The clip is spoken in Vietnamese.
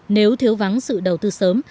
nếu thiếu vắng sự đầu tư sớm